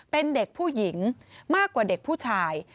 เป็นเด็กผู้หญิงมากกว่าเด็กผู้ชาย